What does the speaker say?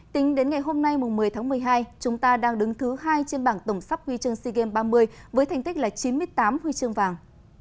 tính đến ngày hôm nay một mươi tháng một mươi hai chúng ta đang đứng thứ hai trên bảng tổng sắp huy chương sea games ba mươi với thành tích chín mươi tám huy chương vàng